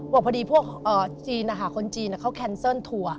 บอกพอดีพวกอ่าจีนอ่ะค่ะคนจีนอ่ะเขาแคนเซิร์นทัวร์